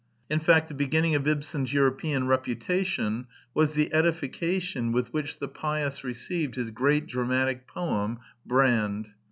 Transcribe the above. In fact, the beginning of Ibsen's Euro pean reputation was the edification with which the pious received his great dramatic poem Brand.